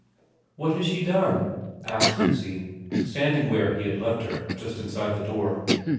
' What has she done ?' asked Lucy, standing where he had left her just inside the door.